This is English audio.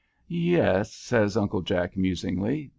"Yes," says Uncle Jack, musingly.